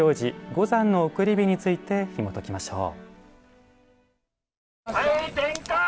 五山の送り火についてひもときましょう。